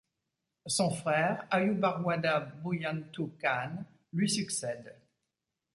Son frère, Ayurbarwada Buyantu Khan, lui succède.